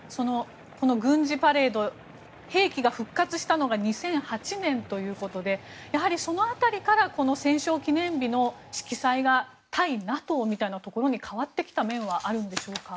この軍事パレード兵器が復活したのが２００８年ということでやはりその辺りからこの戦勝記念日の色彩が対ＮＡＴＯみたいなところに変わってきた面はあるんでしょうか。